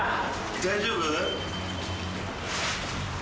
大丈夫？